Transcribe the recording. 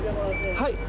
はい。